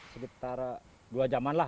sebentar dua jaman lah